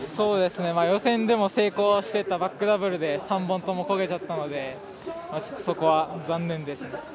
予選でも成功していたバックダブルで３本ともこけちゃったのでそこは残念ですね。